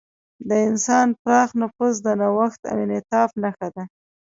د انسان پراخ نفوذ د نوښت او انعطاف نښه ده.